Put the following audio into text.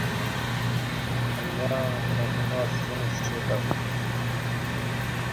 তিনি ছিলেন জাপান সাম্রাজ্যের অন্যতম মুখ্য ডানপন্থী জাতীয়তাবাদী রাজনৈতিক তত্ত্বদাতা ।